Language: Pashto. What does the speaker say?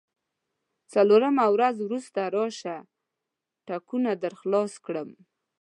څلورمه ورځ وروسته راشه، ټکونه درخلاص کړم.